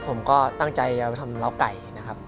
ผมก็ตั้งใจจะไปทำเล้าไก่นะครับ